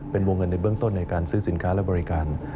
เป็นวงเงินในเบื้องต้นในการซื้อสินค้าและบริการ